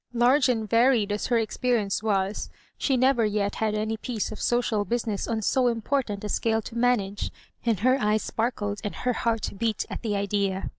Large and varied as her experience was, she had never yet had any piece of social business on so important a scale to manage, and her eyes sparkled and her heart beat at the idea.